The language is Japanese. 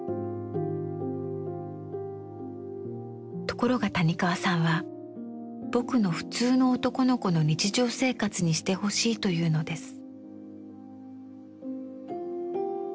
ところが谷川さんは「『ぼく』の普通の男の子の日常生活」にしてほしいというのです。